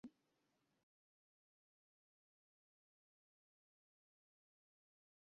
আশা করি, সংসদ অধিবেশনের পরও তাঁরা কথাটি ভুলে যাবেন না।